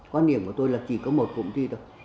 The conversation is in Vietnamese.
quan điểm của tôi là chỉ có một cụm thi thôi